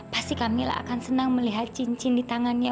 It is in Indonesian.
pasti kami akan senang melihat cincin di tangannya